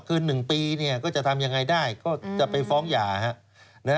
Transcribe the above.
เกินหนึ่งปีนี่ก็จะทำยังไงได้ก็จะไปฟ้องหย่าฮะ